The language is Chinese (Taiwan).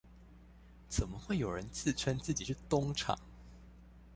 怎麼會有人自稱自己是東廠？